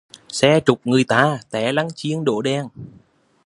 Xe trúc người ta té lăng chiêng đổ đèn